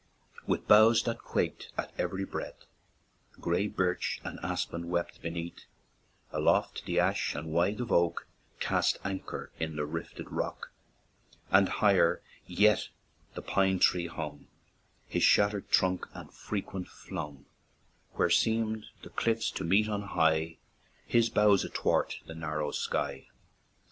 With boughs that quaked at every breath, Gray birch and aspen wept beneath; Aloft, the ash and withe of oak Cast anchor in the rifted rock; 31 ON AN IRISH JAUNTING CAR And, higher yet, the pine tree hung His shattered trunk, and frequent flung, Where seem'd the cliffs to meet on high, His boughs athwart the narrow'd sky.